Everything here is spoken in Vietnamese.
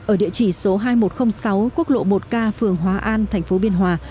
ở địa chỉ số hai nghìn một trăm linh sáu quốc lộ một k phường hóa an thành phố biên hòa